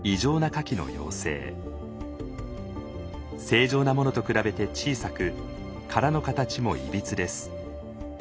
正常なものと比べて小さく殻の形もいびつです。